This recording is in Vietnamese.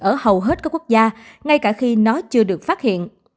ở hầu hết các quốc gia ngay cả khi nó chưa được phát hiện